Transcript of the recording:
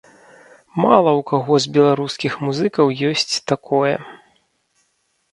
Мала ў каго з беларускіх музыкаў ёсць такое.